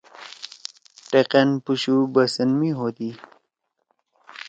ٹقأن پُشُو بسن می ہودی۔